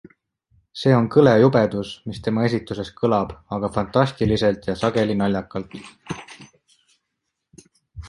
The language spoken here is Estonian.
See on kõle jubedus, mis tema esituses kõlab aga fantastiliselt ja sageli naljakalt.